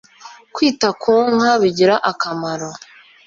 kwita ku nka bigira akamaro